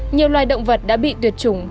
nhiều loài động vật đã bị tuyệt chủng